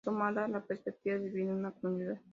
Asomaba la perspectiva de vivir en comunidad.